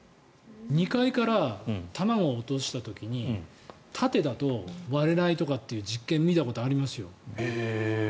２階から卵を落とした時に縦だと割れないとかっていう実験を見たことありますよ。